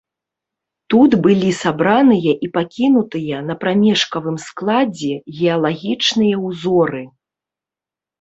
Тут былі сабраныя і пакінутыя на прамежкавым складзе геалагічныя ўзоры.